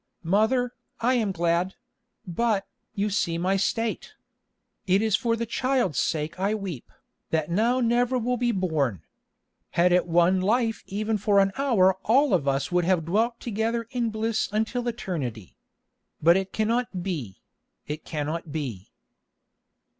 "Mother, I am glad; but, you see my state. It is for the child's sake I weep, that now never will be born. Had it won life even for an hour all of us would have dwelt together in bliss until eternity. But it cannot be—it cannot be."